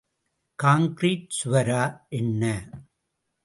Concrete சுவரா? — என்ன?